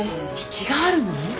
気があるの？